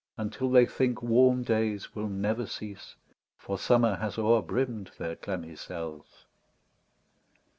Until they think warm days will never cease. For Summer has o'er brimm'd their clammy cells.